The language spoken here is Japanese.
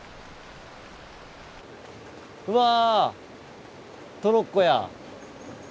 うわトロッコや。